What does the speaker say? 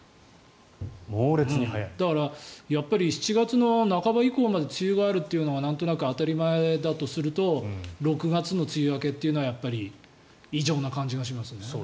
だから７月の半ば以降まで梅雨があるっていうのがなんとなく当たり前だとすると６月の梅雨明けというのはやっぱり異常な感じがしますよね。